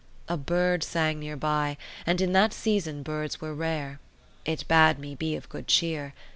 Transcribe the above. A bird sang near by; and in that season, birds were rare. It bade me be of good cheer.